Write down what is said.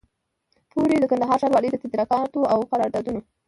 پوري د کندهار ښاروالۍ د تدارکاتو او قراردادونو